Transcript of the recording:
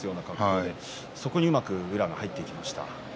そこにうまく宇良が入ってきましたね。